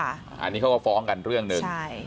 อันนี้เขาก็ฟ้องกันเรื่องหนึ่ง